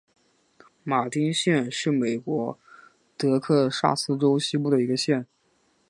马丁县是美国德克萨斯州西部的一个县。